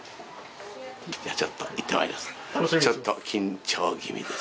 じゃあ、ちょっと、行ってまいります。